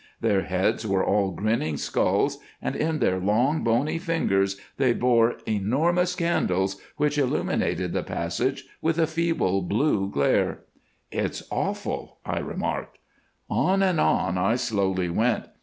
Their heads were all grinning skulls, and in their long bony fingers they bore enormous candles, which illuminated the passage with a feeble blue glare." "It's awful," I remarked. "On, and on, I slowly went.